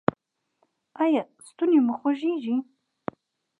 ایا ستونی مو خوږیږي؟